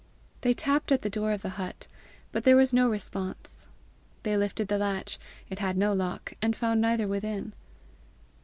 They tapped at the door of the hut, but there was no response; they lifted the latch it had no lock and found neither within.